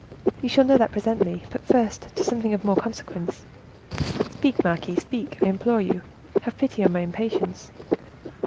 "You shall know that presently; but first to something of more consequence." "Speak, marquise, speak! I implore you, have pity on my impatience."